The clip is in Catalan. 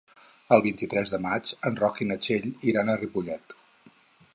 El vint-i-tres de maig en Roc i na Txell iran a Ripollet.